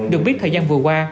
được biết thời gian vừa qua